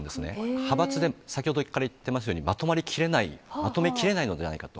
派閥で、先ほどから言ってますように、まとまりきれない、まとめきれないのではないかと。